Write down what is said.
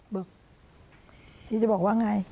บอกพี่จะบอกว่าไง